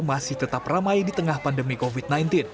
masih tetap ramai di tengah pandemi covid sembilan belas